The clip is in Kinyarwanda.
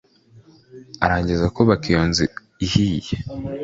arangiza kubaka iyo nzu ihiye